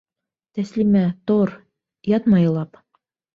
Тәслимә, тор, ятма илап.